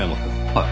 はい？